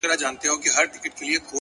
پرمختګ دوامداره حرکت غواړي,